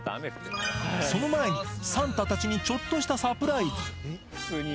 その前に、サンタたちにちょっとしたサプライズ。